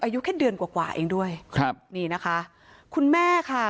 อายุแค่เดือนกว่าเองด้วยคุณแม่ค่ะ